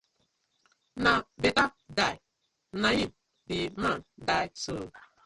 Na betta die na im di man die so.